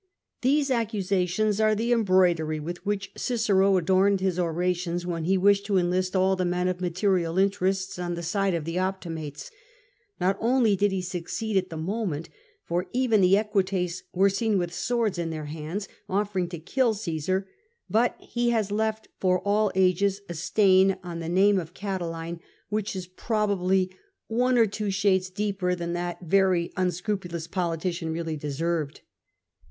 These accusations are the embroidery with which Cicero adorned his orations, when he wished to enlist all the men of material interests on the side of the Optimates, Not only did he succeed at the moment, for even the Equites were seen with swords in their hands offering to kill C^sar, but he has left for all ages a stain on the name CRASSUS 184 of Catiline which is probably one or two shades deeper than that very unscrupulous politician really deserved.